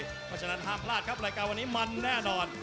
เพราะฉะนั้นห้ามพลาดครับรายการวันนี้มันแน่นอน